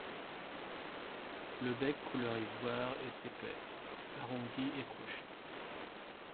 Le bec, couleur ivoire, est épais, arrondi et crochu.